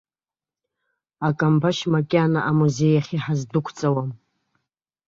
Акамбашь макьана амузеи ахь иҳаздәықәҵауам.